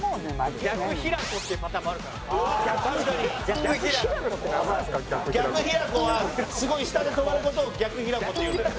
「逆平子」はすごい下で止まる事を「逆平子」っていうのよ。